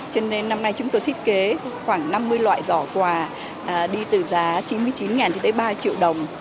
cho nên năm nay chúng tôi thiết kế khoảng năm mươi loại giỏ quà đi từ giá chín mươi chín cho tới ba triệu đồng